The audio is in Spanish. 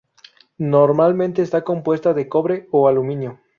Normalmente está compuesta de cobre o aluminio.